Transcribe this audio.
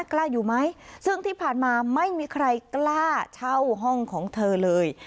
กล้าอยู่ไหมซึ่งที่ผ่านมาไม่มีใครกล้าเช่าห้องของเธอเลย